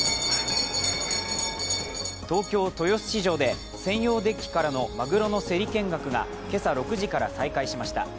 東京・豊洲市場で専用デッキからのまぐろの競り見学が今朝６時から再開しました。